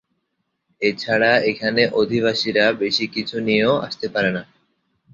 এছাড়া এখানে অধিবাসীরা বেশি কিছু নিয়েও আসতে পারে না।